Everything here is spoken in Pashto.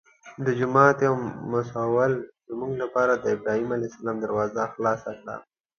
د جومات یو مسوول زموږ لپاره د ابراهیم علیه السلام دروازه خلاصه کړه.